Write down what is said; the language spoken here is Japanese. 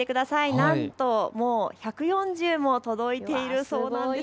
なんと１４０も届いているそうなんです。